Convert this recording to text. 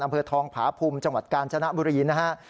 อำเภอทองผาภูมิจังหวัดกาญจนบุรีนะฮะ